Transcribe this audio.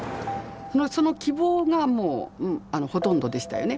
その希望がもうほとんどでしたよね。